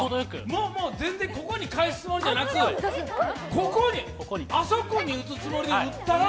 もう全然ここに返すつもりじゃなく、あそこに打つつもりで打ったら